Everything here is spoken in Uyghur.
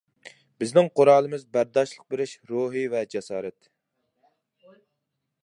بىزنىڭ قورالىمىز بەرداشلىق بېرىش روھى ۋە جاسارەت.